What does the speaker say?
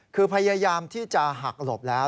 คือพยายามที่จะหักหลบแล้ว